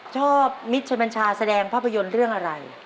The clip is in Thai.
มิชบัญชาแสดงภาพยนตร์เรื่องอะไร